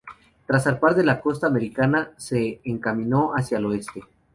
Tras zarpar de la costa americana, se encaminó hacia el oeste.